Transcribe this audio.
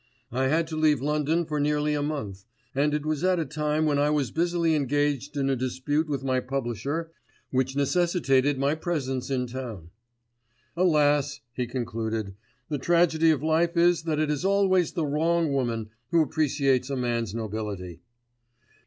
I had to leave London for nearly a month, and it was at a time when I was busily engaged in a dispute with my publisher which necessitated my presence in town. "Alas!" he concluded. "The tragedy of life is that it is always the wrong woman who appreciates a man's nobility."